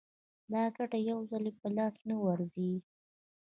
دا ګټه یو ځلي په لاس نه ورځي